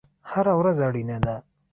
هره ورځ اړینه ده